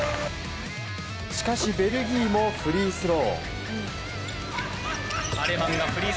しかしベルギーもフリースロー。